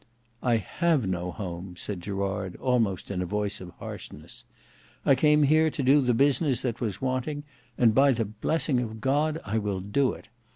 "I have no home," said Gerard, almost in a voice of harshness. "I came here to do the business that was wanting, and, by the blessing of God, I will do it.